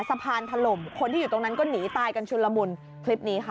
ถล่มคนที่อยู่ตรงนั้นก็หนีตายกันชุนละมุนคลิปนี้ค่ะ